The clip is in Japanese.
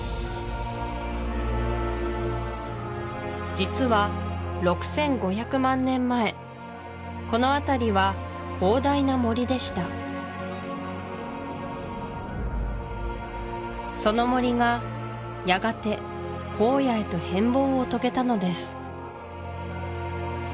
実は６５００万年前この辺りは広大な森でしたその森がやがて荒野へと変貌を遂げたのです